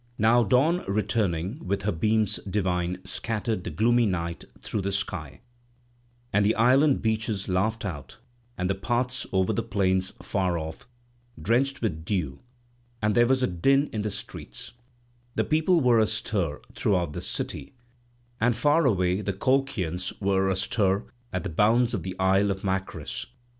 Now dawn returning with her beams divine scattered the gloomy night through the sky; and the island beaches laughed out and the paths over the plains far off, drenched with dew, and there was a din in the streets; the people were astir throughout the city, and far away the Colchians were astir at the bounds of the isle of Macris.